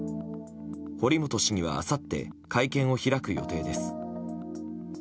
堀本市議はあさって会見を開く予定です。